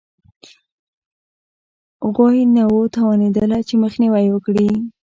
غوی نه وو توانېدلي چې مخنیوی یې وکړي